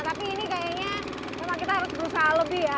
tapi ini kayaknya memang kita harus berusaha lebih ya